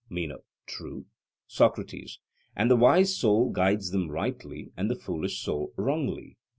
MENO: True. SOCRATES: And the wise soul guides them rightly, and the foolish soul wrongly.